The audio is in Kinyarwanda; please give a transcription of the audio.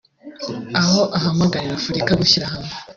ahora ahamagarira Afurika gushyira hamwe